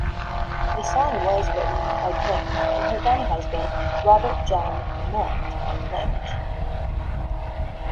The song was written by Twain and her then-husband, Robert John "Mutt" Lange.